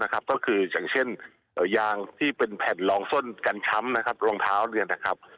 ก็คืออย่างเช่นยางที่เป็นแผ่นรองส้นกันช้ำรองเท้า